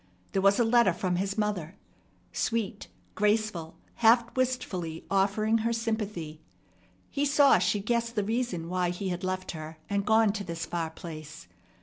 There was a letter from his mother, sweet, graceful, half wistfully offering her sympathy. He saw she guessed the reason why he had left her and gone to this far place.